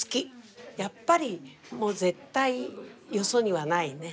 やっぱり絶対よそにはないね。